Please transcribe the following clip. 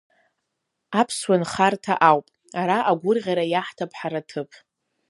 Аԥсуа инхарҭа ауп, ара агәырӷьара иаҳҭап ҳара аҭыԥ!